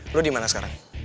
lo dimana sekarang